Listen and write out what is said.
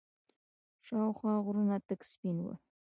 شاوخوا غرونه تک سپين ول.